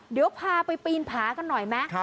เดี๋ยวพาไปปีนผากันหน่อยไหม